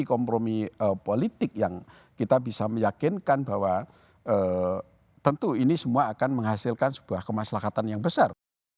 kompromi politik yang kita bisa meyakinkan bahwa tentu ini semua akan menghasilkan sebuah kemaslahatan yang besar